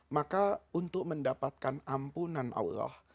maka untuk mendapatkan ampunan allah